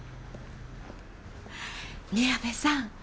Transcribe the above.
宮部さん。